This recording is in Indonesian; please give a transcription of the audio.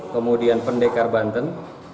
kemudian pendekar banten